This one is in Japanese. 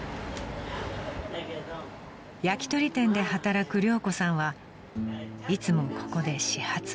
［焼き鳥店で働く良子さんはいつもここで始発待ち］